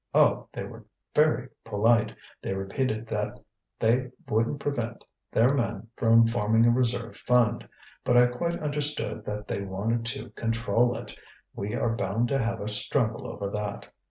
Oh! they were very polite; they repeated that they wouldn't prevent their men from forming a reserve fund. But I quite understood that they wanted to control it. We are bound to have a struggle over that."